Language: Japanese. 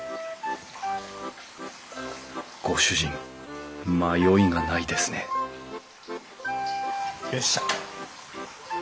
ご主人迷いがないですねよっしゃ！